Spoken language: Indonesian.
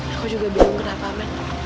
aku juga belum kenal pak men